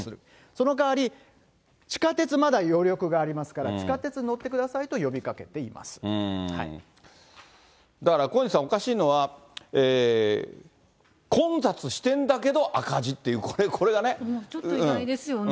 その代わり、地下鉄まだ余力がありますから、地下鉄乗ってくださだから小西さん、おかしいのは、混雑してんだけど赤字っていう、ちょっと意外ですよね。